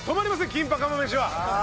キンパ釜飯は。